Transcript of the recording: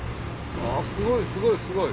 あすごいすごいすごい。